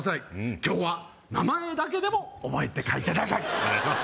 今日は名前だけでも覚えて帰っていただきたいお願いします